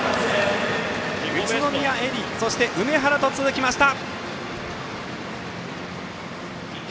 宇都宮絵莉、梅原と続きました。